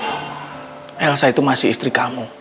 elsa itu masih istri kamu